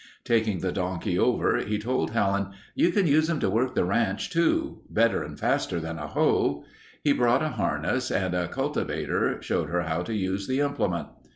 Taking the donkey over, he told Helen, "You can use him to work the ranch too. Better and faster than a hoe...." He brought a harness and a cultivator, showed her how to use the implement.